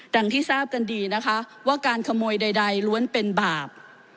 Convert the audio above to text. อย่างที่ทราบกันดีนะคะว่าการขโมยใดล้วนเป็นบาป